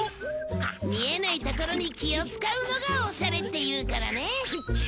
見えないところに気を使うのがオシャレっていうからね